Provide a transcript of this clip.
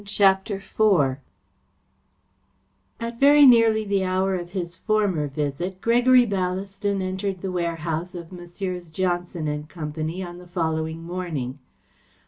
CHAPTER IV At very nearly the hour of his former visit, Gregory Ballaston entered the warehouse of Messrs. Johnson and Company, on the following morning.